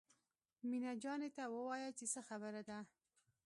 مينه جانې ته ووايه چې څه خبره ده.